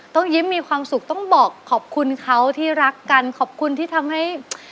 ต้องยิ้มมีความสุขต้องบอกขอบคุณเขาที่รักกันขอบคุณที่ทำให้